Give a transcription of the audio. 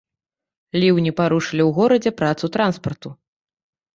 Ліўні парушылі ў горадзе працу транспарту.